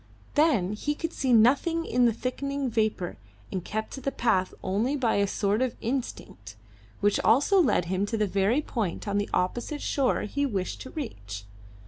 Then he could see nothing in the thickening vapour, and kept to the path only by a sort of instinct, which also led him to the very point on the opposite shore he wished to reach.